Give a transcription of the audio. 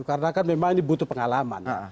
karena kan memang ini butuh pengalaman